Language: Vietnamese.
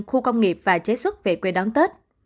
khu công nghiệp và chế xuất về quê đón tết